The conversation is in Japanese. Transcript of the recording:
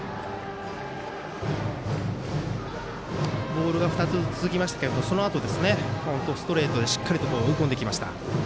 ボールが２つずつ続きましたけどそのあと、ストレートでしっかり追い込んできました。